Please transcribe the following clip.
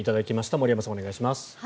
森山さん、お願いします。